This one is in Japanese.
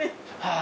あ